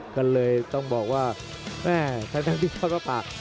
ก็เลยต้องบอกว่าแม่ทางที่ทอดภาพป่า